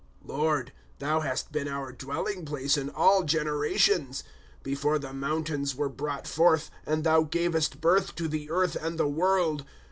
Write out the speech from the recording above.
1 LoED, thou hast been our dwelling place in all genera tions. ^ Before the mountains were brought forth, And thou gavcst birth to the earth and the world.